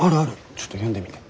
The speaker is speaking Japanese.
ちょっと読んでみて。